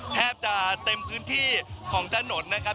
แทบจะเต็มพื้นที่ของถนนนะครับ